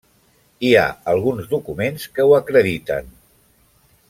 Hi ha alguns documents que ho acrediten.